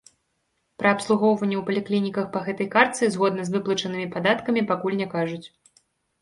Пра абслугоўванне ў паліклініках па гэтай картцы згодна з выплачанымі падаткамі пакуль не кажуць.